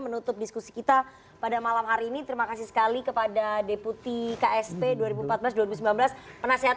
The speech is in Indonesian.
menutup diskusi kita pada malam hari ini terima kasih sekali kepada deputi ksp dua ribu empat belas dua ribu sembilan belas penasehat